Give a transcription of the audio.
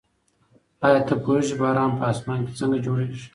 ایا ته پوهېږې چې باران په اسمان کې څنګه جوړېږي؟